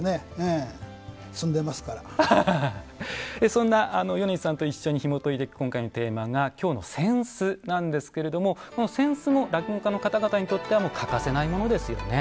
そんな米二さんと一緒にひもといていく今回のテーマが京の扇子なんですけれどもこの扇子も落語家の方々にとっては欠かせないものですよね。